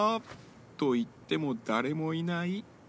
と言っても誰もいない。